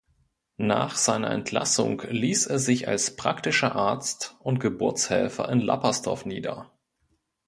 Nach seiner Entlassung ließ er sich als praktischer Arzt und Geburtshelfer in Lappersdorf nieder.